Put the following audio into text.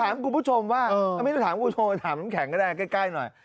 คุณผู้ชมว่าไม่ได้ถามคุณผู้ชมไปถามน้ำแข็งก็ได้ใกล้หน่อย